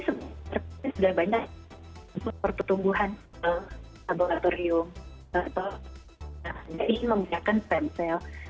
sudah banyak untuk pertumbuhan sel abogatorium atau menggunakan stem cell